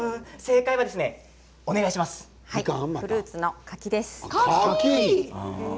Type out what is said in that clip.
フルーツの柿です。